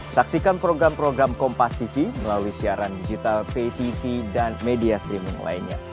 saksikan program program kompastv melalui siaran digital vtv dan media streaming lainnya